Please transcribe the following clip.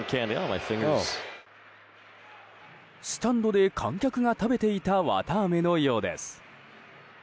スタンドで観客が食べていた綿あめのようです。